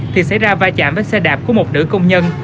thì xảy ra vai trạm với xe đạp của một nữ công nhân